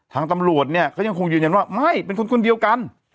ตำรวจเนี่ยก็ยังคงยืนยันว่าไม่เป็นคนคนเดียวกัน